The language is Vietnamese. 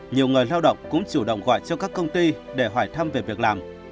nhiều người lao động cũng chủ động gọi cho các công ty để hỏi thăm về việc làm